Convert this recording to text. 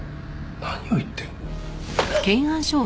何を言ってるんだ。